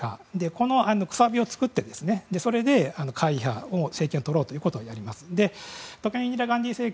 このくさびを作ってそれで過激派が政権をとろうということをやります。